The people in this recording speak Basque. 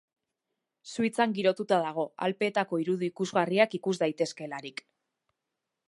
Suitzan girotuta dago, Alpeetako irudi ikusgarriak ikus daitezkeelarik.